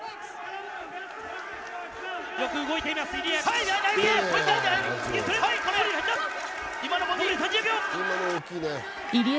よく動いています入江。